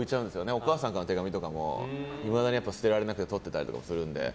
お母さんからの手紙とかもいまだに捨てられなくてとっておいたりするので。